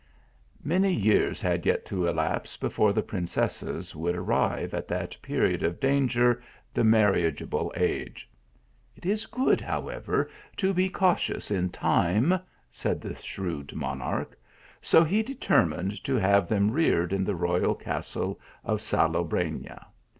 Many years had yet to elapse before the prin cesses would arrive at that period of danger, the marriageable age. " It is good, however, to be cau tious in time," said the shrewd monarch ; so he de termined to have them reared in the royal castle of Salobrena.